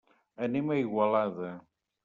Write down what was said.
Anem a Igualada.